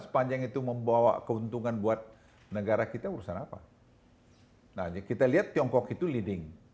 sepanjang itu membawa keuntungan buat negara kita urusan apa nah kita lihat tiongkok itu leading